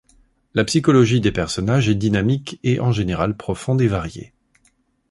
La psychologie des personnages est dynamique et, en général, profonde et variée.